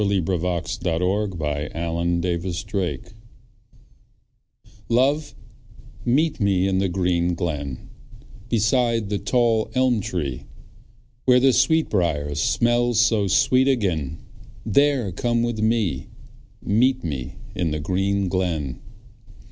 John Clare Meet Me in the Green Glen LOVE, meet me in the green glen, Beside the tall elm tree, Where the sweetbriar smells so sweet agen; There come with me. Meet me in the green glen.